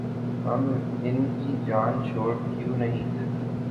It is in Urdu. ہم ان کی جان چھوڑ کیوں نہیں دیتے؟